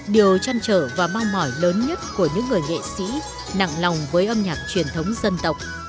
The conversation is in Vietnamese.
điều chăn trở và mong mỏi lớn nhất của những người nghệ sĩ nặng lòng với âm nhạc truyền thống dân tộc